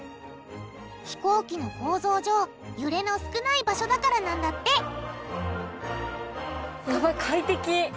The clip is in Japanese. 飛行機の構造上揺れの少ない場所だからなんだってやばい快適。